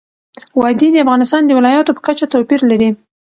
وادي د افغانستان د ولایاتو په کچه توپیر لري.